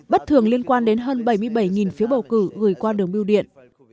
bất thường liên quan đến hơn bảy mươi bảy phiếu bầu cử gửi qua đường biêu điện